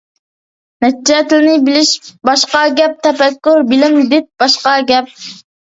نەچچە تىلنى بىلىش باشقا گەپ، تەپەككۇر، بىلىم، دىت باشقا گەپ.